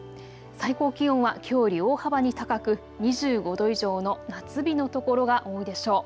最高気温はきょうより大幅に高く２５度以上の夏日の所が多いでしょう。